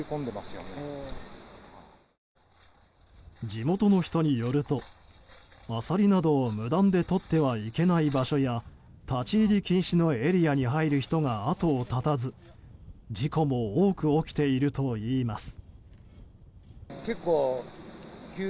地元の人によるとアサリなどを無断でとってはいけない場所や立ち入り禁止のエリアに入る人が後を絶たず事故も多く起きているといいます。